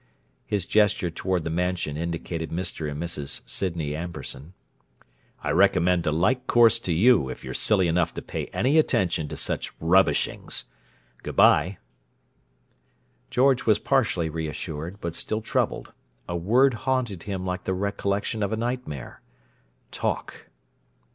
(His gesture toward the Mansion indicated Mr. and Mrs. Sydney Amberson.) "I recommend a like course to you, if you're silly enough to pay any attention to such rubbishings! Good bye!" George was partially reassured, but still troubled: a word haunted him like the recollection of a nightmare. "Talk!"